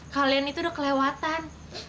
kalian itu udah kelewatan